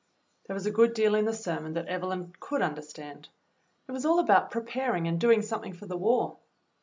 There was a good deal in the sermon that Evelyn could understand. It was all about preparing and doing something for the war.